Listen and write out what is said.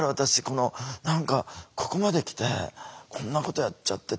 この何かここまで来てこんなことやっちゃってて」。